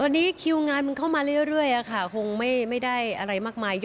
วันนี้คิวงานมันเข้ามาเรื่อยค่ะคงไม่ได้อะไรมากมาย